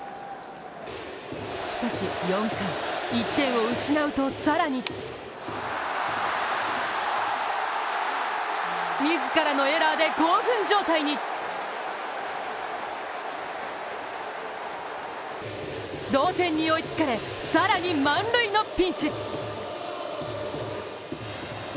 しかし４回、１点を失うと更に自らのエラーで興奮状態に同点に追いつかれ、更に満塁のピンチ。